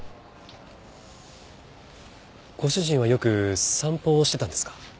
ご主人はよく散歩をしてたんですか？